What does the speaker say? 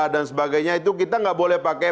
dan sebagainya itu kita nggak boleh pakai